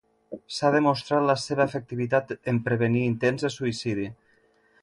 S'ha demostrat la seva efectivitat en prevenir intents de suïcidi.